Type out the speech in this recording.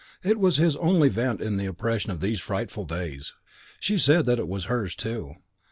It was his only vent in the oppression of these frightful days. She said that it was hers, too.